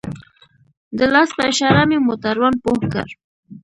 د لاس په اشاره مې موټروان پوه کړ.